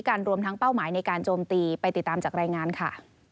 รวมทั้งเป้าหมายในการโจมตีไปติดตามจากรายงานค่ะ